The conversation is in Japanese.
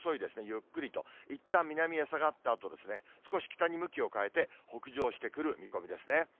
ゆっくりと、いったん南へ下がったあとですね、少し北に向きを変えて北上してくる見込みですね。